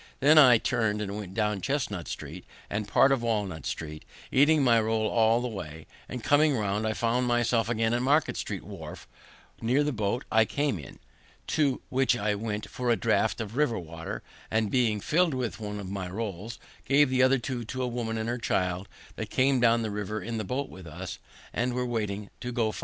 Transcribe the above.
Then I turned and went down Chestnut street and part of Walnut street, eating my roll all the way, and, coming round, found myself again at Market street wharf, near the boat I came in, to which I went for a draught of the river water; and, being filled with one of my rolls, gave the other two to a woman and her child that came down the river in the boat with us, and were waiting to go farther.